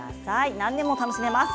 何年も楽しめます。